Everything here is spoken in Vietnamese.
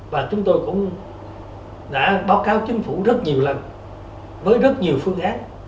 và chúng tôi cũng đã báo cáo chính phủ rất nhiều lần với rất nhiều phương án